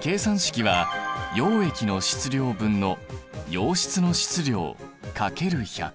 計算式は溶液の質量分の溶質の質量×１００。